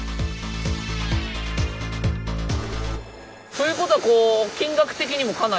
ということは金額的にもかなり。